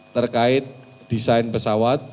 terkait desain pesawat